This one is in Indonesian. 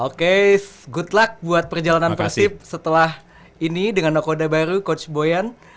oke good luck buat perjalanan persib setelah ini dengan nokoda baru coach boyan